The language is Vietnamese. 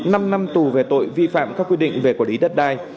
năm năm tù về tội vi phạm các quy định về quản lý đất đai